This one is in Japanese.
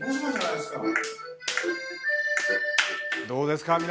どうですか？